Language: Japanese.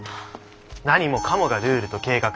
何もかもがルールと計画。